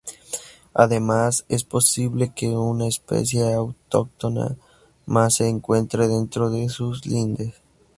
Además, es posible que una especie autóctona más se encuentre dentro de sus lindes.